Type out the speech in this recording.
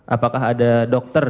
apakah ada dokter